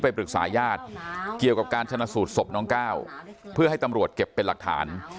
ปรึกษาญาติเกี่ยวกับการชนะสูตรศพน้องก้าวเพื่อให้ตำรวจเก็บเป็นหลักฐาน